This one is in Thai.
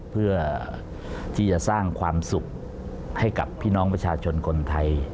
เพื่อที่จะสร้างความสุขให้กับพี่น้องประชาชนคนไทย